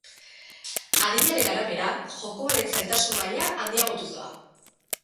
Adinaren arabera, jokoaren zailtasun maila handiagotuz doa.